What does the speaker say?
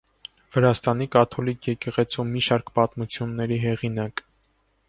Վրաստանի կաթոլիկ եկեղեցու մի շարք պատմությունների հեղինակ։